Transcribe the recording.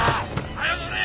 早よ乗れ！